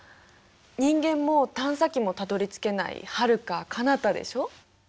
人間も探査機もたどりつけないはるかかなたでしょう？